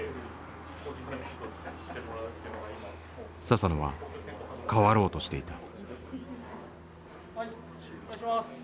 佐々野は変わろうとしていた。